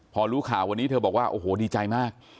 พอรู้ข่าววันนี้เธอบอกว่าโอ้โหดีใจมาก